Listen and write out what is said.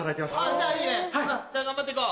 じゃあ頑張って行こう。